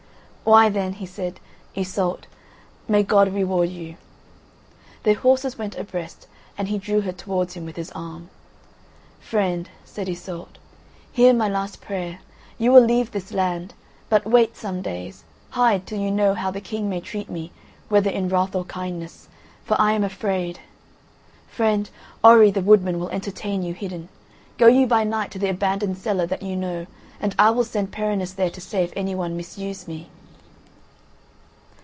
"Why then," he said, "Iseult, may God reward you." Their horses went abreast and he drew her towards him with his arm. "Friend," said Iseult, "hear my last prayer: you will leave this land, but wait some days; hide till you know how the King may treat me, whether in wrath or kindness, for I am afraid. Friend, Orri the woodman will entertain you hidden. Go you by night to the abandoned cellar that you know and I will send Perinis there to say if anyone misuse me."